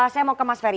saya mau ke mas ferry